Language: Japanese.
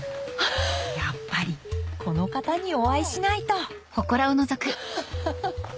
やっぱりこの方にお会いしないとアハハハ。